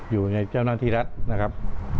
อยู่ในเจ้าหน้าที่รัฐนะครับ